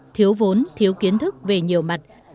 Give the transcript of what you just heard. thiếu vốn thiếu kiến thức về nhiều mặt